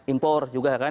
impor juga kan